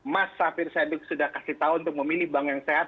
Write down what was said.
mas safir syadik sudah kasih tahu untuk memilih bank yang sehat